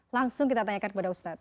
langsung kita tanyakan kepada ustadz